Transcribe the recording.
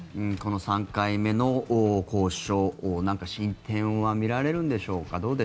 この３回目の交渉なんか進展は見られるんでしょうか？